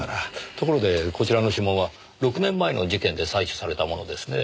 ところでこちらの指紋は６年前の事件で採取されたものですねぇ。